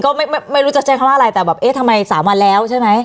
ก็ไม่รู้จะใช้คำว่าอะไรแต่แบบเอ๊ะทำไม๓วันแล้วใช่ไหม